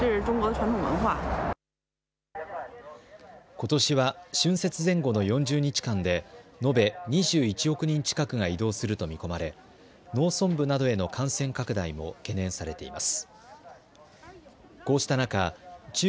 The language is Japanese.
ことしは春節前後の４０日間で延べ２１億人近くが移動すると見込まれ農村部などへの感染拡大も懸念されています。